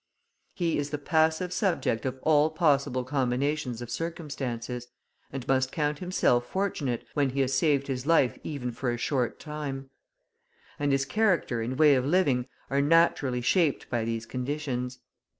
He is the passive subject of all possible combinations of circumstances, and must count himself fortunate when he has saved his life even for a short time; and his character and way of living are naturally shaped by these conditions.